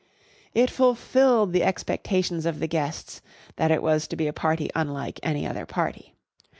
It fulfilled the expectations of the guests that it was to be a party unlike any other party.